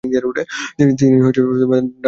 তিনি ঢাকায় তার খানকাহ স্থাপন করেছিলেন।